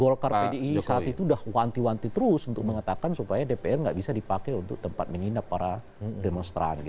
golkar pdi saat itu sudah wanti wanti terus untuk mengatakan supaya dpr nggak bisa dipakai untuk tempat menginap para demonstran